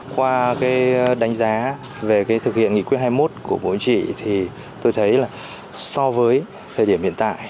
qua đánh giá về thực hiện nghị quyết hai mươi một của bố chị tôi thấy so với thời điểm hiện tại